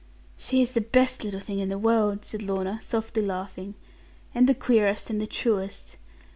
'She is the best little thing in the world,' said Lorna, softly laughing; 'and the queerest, and the truest.